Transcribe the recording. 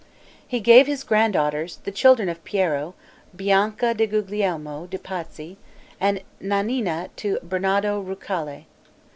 He gave his granddaughters, the children of Piero, Bianca to Guglielmo de' Pazzi, and Nannina to Bernardo Ruccellai.